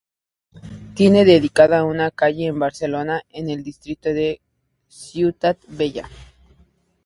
Tiene dedicada una calle en Barcelona, en el distrito de Ciutat Vella.